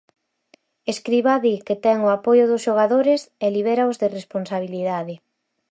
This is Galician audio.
Escribá di que ten o apoio dos xogadores e libéraos de responsabilidade.